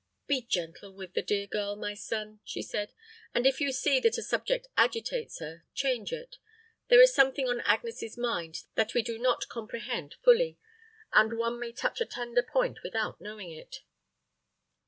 "Be gentle with the dear girl, my son," she said, "and if you see that a subject agitates her, change it. There is something on Agnes's mind that we do not comprehend fully; and one may touch a tender point without knowing it."